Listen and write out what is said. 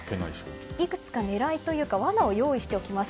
いくつか狙いというか罠を用意しておきます。